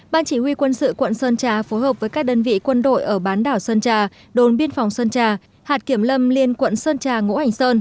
ban chỉ huy quân sự quận sơn trà phối hợp với các đơn vị quân đội ở bán đảo sơn trà đồn biên phòng sơn trà hạt kiểm lâm liên quận sơn trà ngũ hành sơn